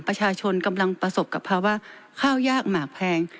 ประชาชนกำลังประสบกับภาวะข้าวยากหมากแพง